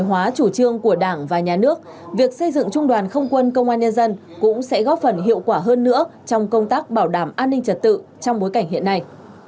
hóa chủ trương của đảng và nhà nước việc xây dựng trung đoàn không quân công an nhân dân cũng sẽ góp phần hiệu quả hơn nữa trong công tác bảo đảm an ninh trật tự trong bối cảnh hiện nay